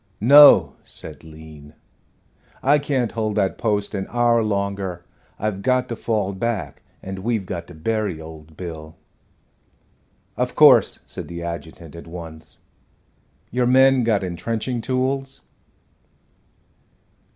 "No," said Lean. "I can't hold that post an hour longer. I've got to fall back, and we've got to bury old Bill." "Of course," said the adjutant, at once. "Your men got intrenching tools?"